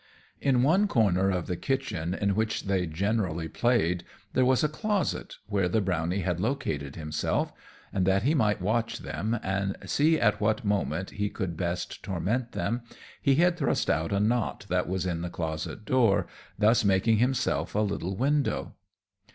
In one corner of the kitchen in which they generally played there was a closet, where the brownie had located himself; and that he might watch them, and see at what moment he could best torment them, he had thrust out a knot that was in the closet door, thus making himself a little window.